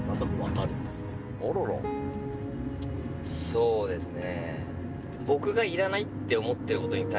そうですね。